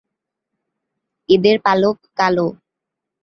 এদের পালক কালো।